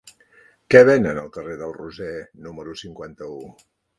Què venen al carrer del Roser número cinquanta-u?